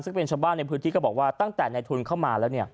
ซึ่งเป็นชาวบ้านในพื้นที่ก็บอกว่าตั้งแต่ในทุนเข้ามาแล้ว